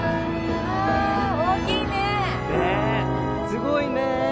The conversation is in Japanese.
すごいね。